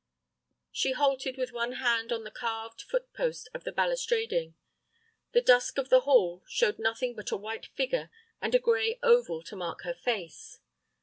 She halted with one hand on the carved foot post of the balustrading. The dusk of the hall showed nothing but a white figure and a gray oval to mark her face.